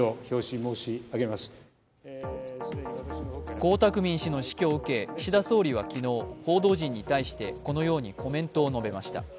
江沢民氏の死去を受け岸田総理は昨日、報道陣に対してこのようにコメントを述べました。